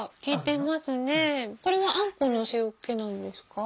これはあんこの塩気なんですか？